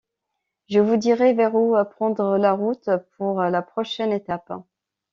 je vous dirai vers où prendre la route pour la prochaine étape.